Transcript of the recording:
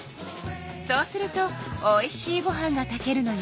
そうするとおいしいご飯が炊けるのよ。